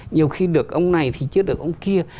nhiều khi được ông này thì chết được ông kia